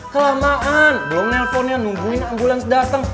kelamaan belum nelfonnya nungguin ambulans dateng